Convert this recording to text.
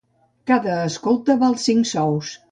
Cada escolta val cinc sous.